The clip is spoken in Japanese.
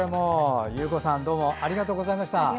優子さんありがとうございました。